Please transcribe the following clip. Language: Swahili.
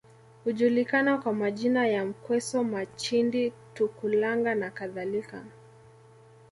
Hujulikana kwa majina ya Mkweso Machindi Tukulanga nakadhalika